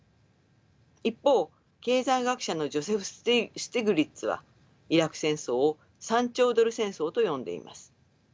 一方経済学者のジョセフ・スティグリッツはイラク戦争を３兆ドル戦争と呼んでいます。